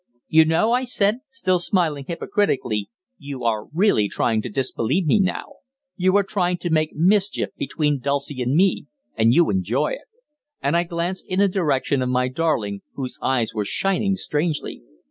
"You know," I said, still smiling hypocritically, "you are really trying to disbelieve me now. You are trying to make mischief between Dulcie and me and you enjoy it," and I glanced in the direction of my darling, whose eyes were shining strangely.